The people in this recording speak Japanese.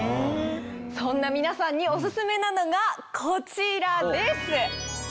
そんな皆さんにオススメなのがこちらです。